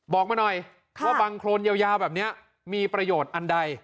บอกมาหน่อยว่าบังโครนยาวแบบนี้มีประโยชน์อันใด